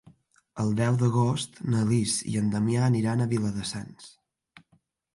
El deu d'agost na Lis i en Damià aniran a Viladasens.